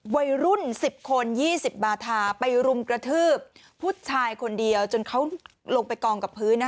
วัยรุ่น๑๐คน๒๐บาทาไปรุมกระทืบผู้ชายคนเดียวจนเขาลงไปกองกับพื้น